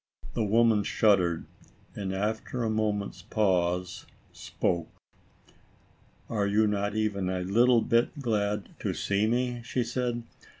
The woman shuddered, and, after a moment's pause, spoke. "Are you not even a little bit glad to see me?" she said.